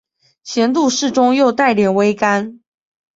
咸度适中又带点微甘